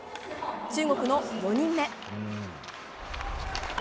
中国の４人目。